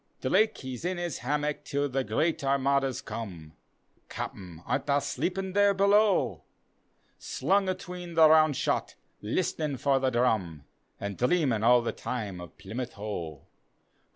Drake he's in his hammock till the great Armadas come, (Capten, art tha sleepin' there below?) Slung atween the round shot, listenin' for the drum. An' dreamin' all the time of Plymouth Hoe.